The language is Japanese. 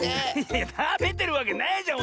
いやたべてるわけないじゃん！